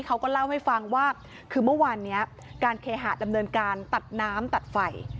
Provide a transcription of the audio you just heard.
เขาก็เล่าให้ฟังว่าคือเมื่อวานนี้การเคหะดำเนินการตัดน้ำตัดไฟ